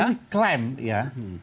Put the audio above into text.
ini klaim ya